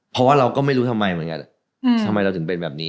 เพราะว่าเราก็ไม่รู้ทำไมเหมือนกันทำไมเราถึงเป็นแบบนี้